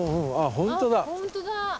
本当だ。